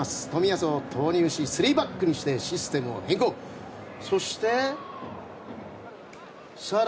冨安を投入し、３バックにしシステムを変更。